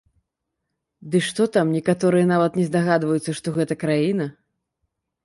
Ды што там, некаторыя нават не здагадваюцца, што гэта краіна.